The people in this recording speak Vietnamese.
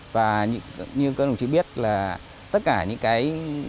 và như các đồng chí biết là tất cả những cái